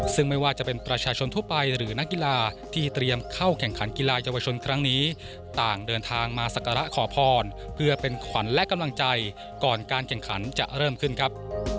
ซึ่งไม่ว่าจะเป็นประชาชนทั่วไปหรือนักกีฬาที่เตรียมเข้าแข่งขันกีฬาเยาวชนครั้งนี้ต่างเดินทางมาสักการะขอพรเพื่อเป็นขวัญและกำลังใจก่อนการแข่งขันจะเริ่มขึ้นครับ